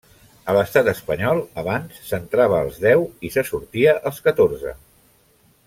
A l'estat espanyol, abans, s'entrava als deu i se sortia als catorze.